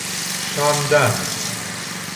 شاندن